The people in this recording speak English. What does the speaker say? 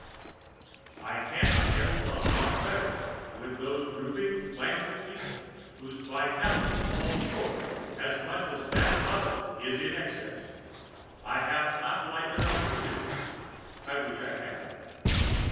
I can not get along much better with those drooping, languid people, whose vitality falls short as much as that of the others is in excess. I have not life enough for two; I wish I had.